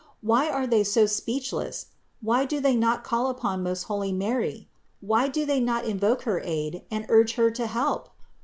Why are they so speechless ? Why do they not call upon most holy Mary? Why do they not invoke her aid and urge Her to help